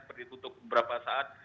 berikut untuk beberapa saat